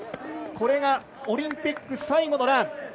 これが、オリンピック最後のラン。